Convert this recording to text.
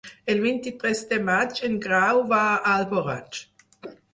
El vint-i-tres de maig en Grau va a Alboraig.